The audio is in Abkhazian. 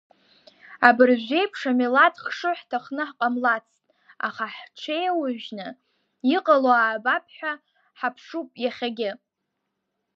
Абыржәы еиԥш амилаҭ хшыҩ ҳҭахны ҳҟамлацт, аха ҳҽеиужьны, иҟало аабап ҳәа ҳаԥшуп иахьагьы.